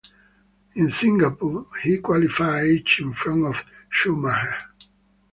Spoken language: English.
In Singapore, he qualified eighth in front of Schumacher.